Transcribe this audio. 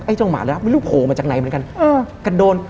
ไอ้เจ้าหมาแล้วไม่รู้โผล่มาจากไหนเหมือนกัน